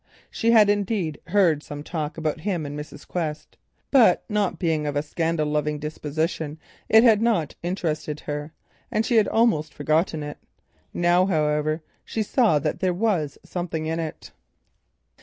She had indeed heard some talk about him and Mrs. Quest, but not being of a scandal loving disposition it had not interested her, and she had almost forgotten it. Now however she learned that there was something in it.